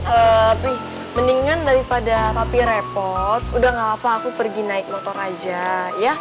lebih mendingan daripada tapi repot udah gak apa apa aku pergi naik motor aja ya